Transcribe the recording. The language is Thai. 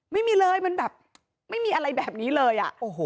ไม่มีเลยมันแบบไม่มีอะไรแบบนี้เลย